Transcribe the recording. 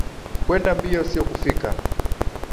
Kwenda mbio siyo kufika